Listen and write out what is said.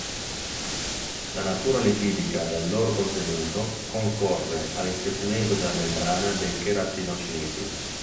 La natura lipidica del loro contenuto concorre all'ispessimento della membrana dei cheratinociti.